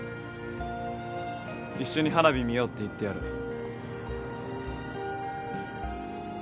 一緒に花火見ようって言ってある。